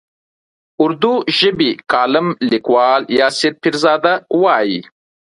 اردو ژبی کالم لیکوال یاسر پیرزاده وايي.